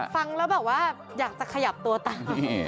ฟังแล้วแบบว่าอยากจะขยับตัวตาม